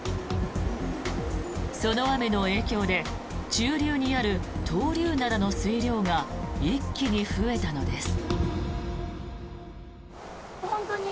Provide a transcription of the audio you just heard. その雨の影響で中流にある闘竜灘の水量が一気に増えたのです。